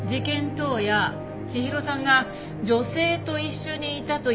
当夜千尋さんが女性と一緒にいたという目撃情報があった。